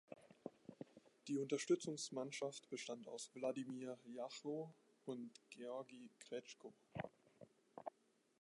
Die Unterstützungsmannschaft bestand aus Wladimir Ljachow und Georgi Gretschko.